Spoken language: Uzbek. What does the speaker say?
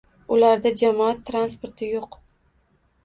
Ularda jamoat transporti yo'q